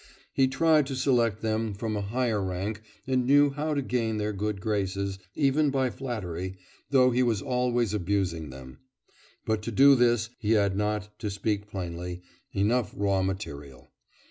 He tried to select them from a higher rank and knew how to gain their good graces; even by flattery, though he was always abusing them. But to do this he had not, to speak plainly, enough raw material.